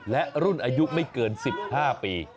และรุ่นอายุไม่เกิน๑๕ปี